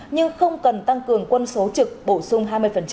nhưng không cần tăng cường quân số trực bổ sung hai mươi